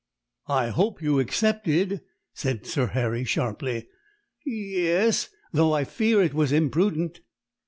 "I hope you accepted?" said Sir Harry sharply. "Ye es, though I fear it was imprudent."